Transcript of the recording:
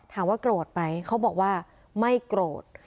ถามว่าโกรธไหมเขาบอกว่าไม่โกรธ